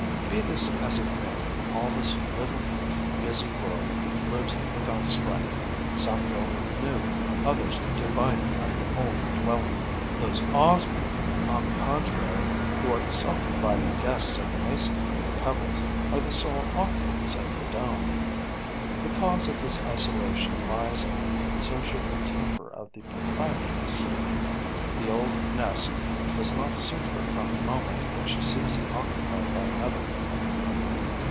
Be this as it may, all this little busy world lives without strife, some building anew, others dividing up the old dwelling. Those Osmiae, on the contrary, who are the self invited guests of the Mason bee of the Pebbles are the sole occupants of the dome. The cause of this isolation lies in the unsociable temper of the proprietress. The old nest does not suit her from the moment that she sees it occupied by another.